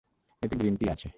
এতে green tea আছে।